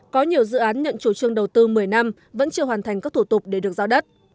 có nhiều dự án nhận chủ trương đầu tư một mươi năm vẫn chưa hoàn thành các thủ tục để được giao đất